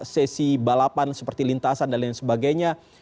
sesi balapan seperti lintasan dan lain sebagainya